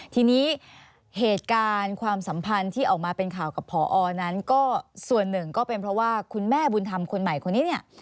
ทีนี้เหตุการณ์ความสัมพันธ์ที่ออกมาเป็นข่าวกับผอนั้นก็ส่วนหนึ่งก็เป็นเพราะว่าคุณแม่บุญธรรมคนใหม่คนนี้เนี่ย